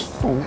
ih buntang pak